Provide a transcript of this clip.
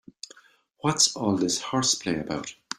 What's all this horseplay about?